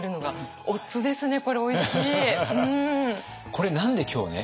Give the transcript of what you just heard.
これ何で今日ね